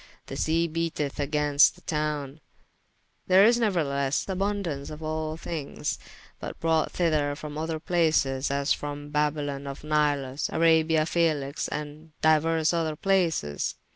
The sea beateth agaynst the towne. There is neuerthelesse aboundance of all thinges: but brought thyther from other places, as from Babylon of Nilus, Arabia F[æ]lix, and dyuers other places.